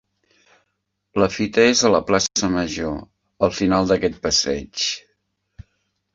La fita és a la plaça Major, al final d'aquest passeig.